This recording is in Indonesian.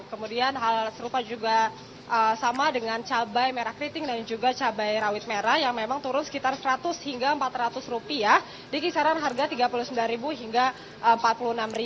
kemudian hal serupa juga sama dengan cabai merah keriting dan juga cabai rawit merah yang memang turun sekitar rp seratus hingga rp empat ratus di kisaran harga rp tiga puluh sembilan hingga rp empat puluh enam